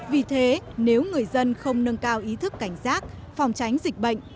vì thế nếu người dân không nâng cao ý thức cảnh giác phòng tránh dịch bệnh